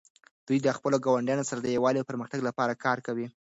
دوی د خپلو ګاونډیانو سره د یووالي او پرمختګ لپاره کار کوي.